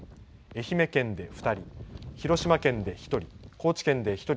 愛媛県で２人、広島県で１人。